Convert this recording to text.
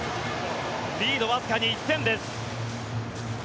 リード、わずかに１点です。